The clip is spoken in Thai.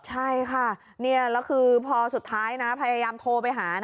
ใช่ค่ะแล้วคือพอสุดท้ายนะพยายามโทรไปหา